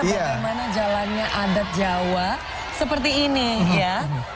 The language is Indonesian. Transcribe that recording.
bagaimana jalannya adat jawa seperti ini ya